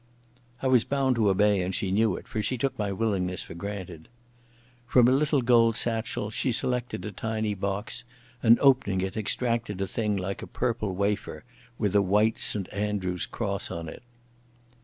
I was bound to obey, and she knew it, for she took my willingness for granted. From a little gold satchel she selected a tiny box, and opening it extracted a thing like a purple wafer with a white St Andrew's Cross on it.